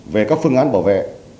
về các phương án bảo vệ